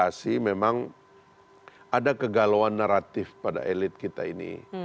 tapi memang ada kegalauan naratif pada elit kita ini